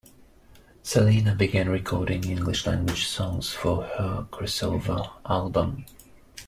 Selena began recording English-language songs for her crossover album.